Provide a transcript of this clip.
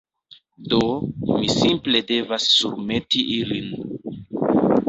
Do, mi simple devas surmeti ilin